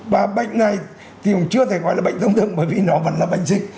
và bệnh này thì cũng chưa thể gọi là bệnh thông thường bởi vì nó vẫn là bệnh dịch